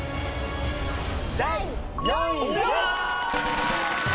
「第４位です！」